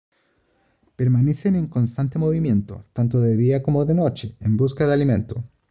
Permanecen en constante movimiento, tanto de día como de noche, en busca de alimento.